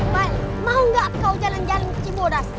bal mau gak kau jalan jalan ke cibodas